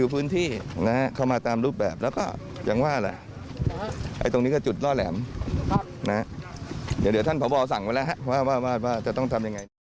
เป็นเหมือนการจุดป้องแหลม